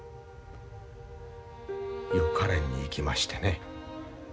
予科練に行きましてね。